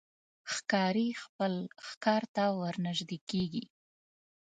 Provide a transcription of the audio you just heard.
ښکاري خپل ښکار ته ورنژدې کېږي.